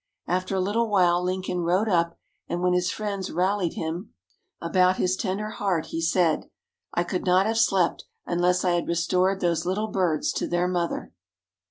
After a little while, Lincoln rode up, and when his friends rallied him about his tender heart, he said: "I could not have slept, unless I had restored those little birds to their mother."